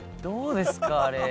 どうですか？